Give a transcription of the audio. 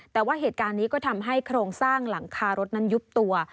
แต่ว่าเหตุการณ์นี้ก็ทำให้โครงสร้างหลังคารถนั้นยุบตัว